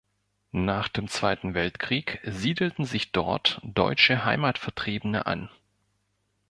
Nach dem Zweiten Weltkrieg siedelten sich dort deutsche Heimatvertriebene an.